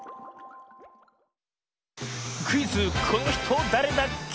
クイズ「このひとだれだっけ？」